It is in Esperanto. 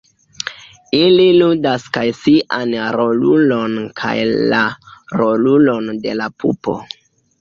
Ili ludas kaj sian rolulon kaj la rolulon de la pupo.